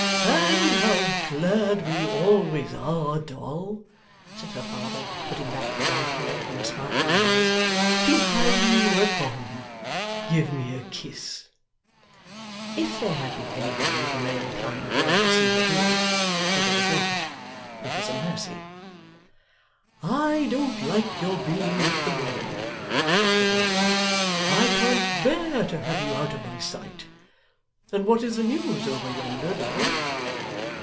'And how glad we always are, Doll,' said her father, putting back the dark hair from her sparkling eyes, 'to have you at home. Give me a kiss.' If there had been anybody of the male kind there to see her do it but there was not it was a mercy. 'I don't like your being at the Warren,' said the locksmith, 'I can't bear to have you out of my sight. And what is the news over yonder, Doll?